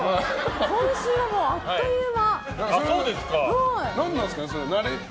今週はもう、あっという間。